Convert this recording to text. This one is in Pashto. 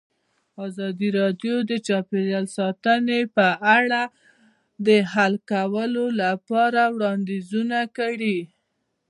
ازادي راډیو د چاپیریال ساتنه په اړه د حل کولو لپاره وړاندیزونه کړي.